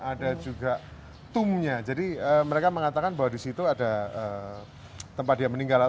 ada juga tumnya jadi mereka mengatakan bahwa di situ ada tempat dia meninggal